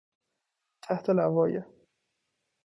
تحت لوای...